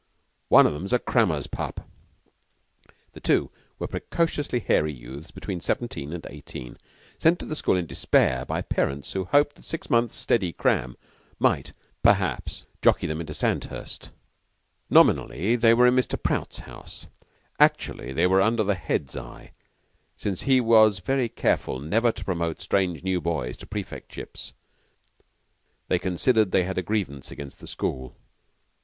One of 'em's a crammer's pup." The two were precocious hairy youths between seventeen and eighteen, sent to the school in despair by parents who hoped that six months' steady cram might, perhaps, jockey them into Sandhurst. Nominally they were in Mr. Prout's house; actually they were under the Head's eye; and since he was very careful never to promote strange new boys to prefectships, they considered they had a grievance against the school.